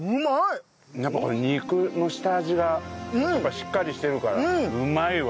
やっぱこれ肉の下味がやっぱりしっかりしてるからうまいわ。